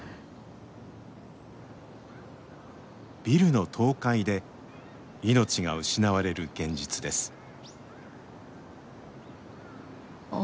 ビルの倒壊で命が失われる現実です。